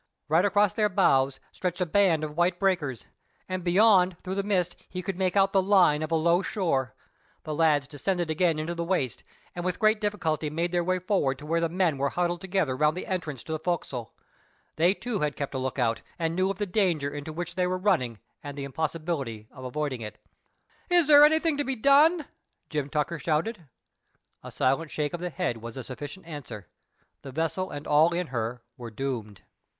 Right across their bows stretched a band of white breakers, and beyond through the mist he could make out the line of a low shore. The lads descended again into the waist, and with great difficulty made their way forward to where the men were huddled together round the entrance to the fo'castle. They too had kept a look out, and knew of the danger into which they were running and the impossibility of avoiding it. "Is there anything to be done?" Jim Tucker shouted. A silent shake of the head was a sufficient answer. The vessel and all in her were doomed.